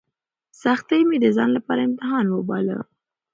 سختۍ مې د ځان لپاره امتحان وباله.